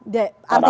ya apanya itu